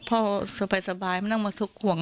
พ่อสวัสดีสบายมานั่งมาทุกข์ห่วง